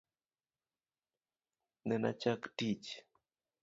Nena chack tich